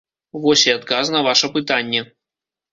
Вось і адказ на ваша пытанне.